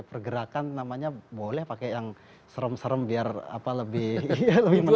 pergerakan namanya boleh pakai yang serem serem biar apa lebih menarik